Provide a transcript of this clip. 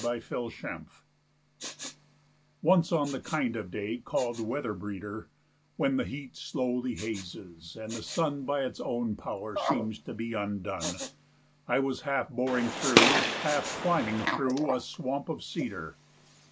AN ENCOUNTER Once on the kind of day called "weather breeder," When the heat slowly hazes and the sun By its own power seems to be undone, I was half boring through, half climbing through A swamp of cedar.